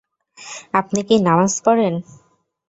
আপনি কি নামাজ পড়েন?